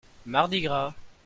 Mardi gras.